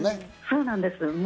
そうなんです。